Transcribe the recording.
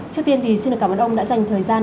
trước tiên thì xin cảm ơn ông đã dành thời gian